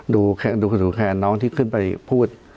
ดูสู่แค่น้องที่ขึ้นไปพูด